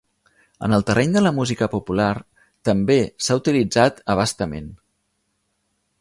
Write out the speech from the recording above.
En el terreny de la música popular també s'ha utilitzat a bastament.